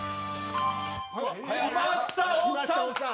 きました、大木さん。